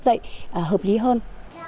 dạy hợp lý hơn